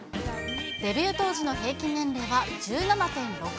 デビュー当時の平均年齢は１７．６歳。